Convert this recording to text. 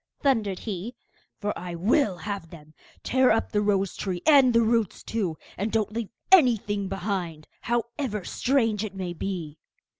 thundered he, 'for I will have them! Tear up the rose tree and the roots too, and don't leave anything behind, however strange it may be!